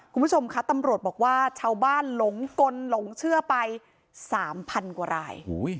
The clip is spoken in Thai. คุณผู้ชมคะตำรวจบอกว่าชาวบ้านหลงกลหลงเชื่อไป๓๐๐กว่าราย